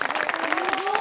すごい。